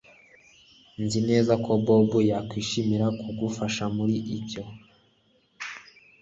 Nzi neza ko Bobo yakwishimira kugufasha muri ibyo